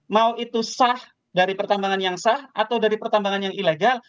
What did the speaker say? mau itu sah dari pertambangan yang sah atau dari pertambangan yang ilegal